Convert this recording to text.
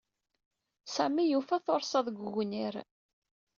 Sami yufa tursaḍ deg ugwnir.